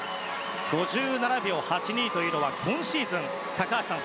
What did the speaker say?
５７秒８２というのは今シーズン、高橋さん